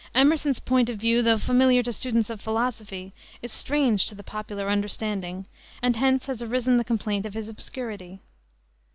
Emerson's point of view, though familiar to students of philosophy, is strange to the popular understanding, and hence has arisen the complaint of his obscurity.